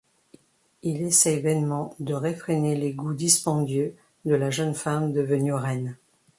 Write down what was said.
Il essaie vainement de refréner les goûts dispendieux de la jeune femme devenue reine.